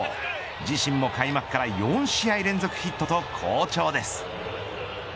自身も開幕から４試合連続ヒットと好調です。